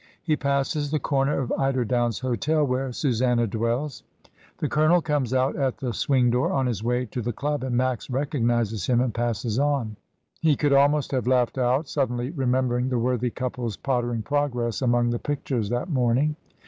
He passes the comer of Eiderdown's Hotel, where Susanna dwells. The Colonel comes out at the swing door, on his way to the club, and Max recognises him and passes on. He could almost have laughed out, suddenly re membering the worthy couple's pottering progress among the pictures that morning.